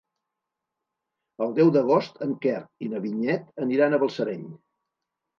El deu d'agost en Quer i na Vinyet aniran a Balsareny.